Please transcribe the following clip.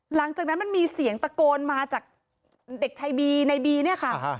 หลังจากนั้นมันมีเสียงตะโกนมาจากเด็กชายบีในบีเนี่ยค่ะ